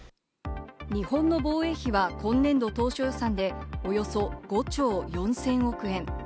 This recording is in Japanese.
日本の防衛費は今年度当初予算でおよそ５兆４０００億円。